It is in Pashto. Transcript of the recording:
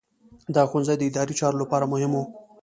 دا ښوونځي د اداري چارو لپاره مهم وو.